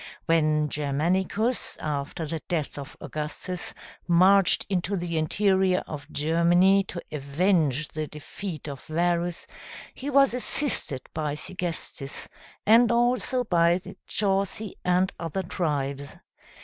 When Germanicus, after the death of Augustus, marched into the interior of Germany to avenge the defeat of Varus, he was assisted by Segestes, and also by the Chauci and other tribes.